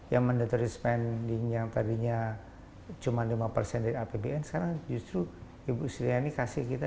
yang mandatory spending yang tadinya cuma lima dari apbn sekarang justru ibu suryani kasih kita lima enam